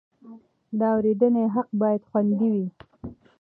د اورېدنې حق باید خوندي وي.